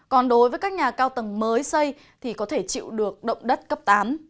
còn đối với các nhà cao tầng mới xây thì có thể chịu được động đất cấp tám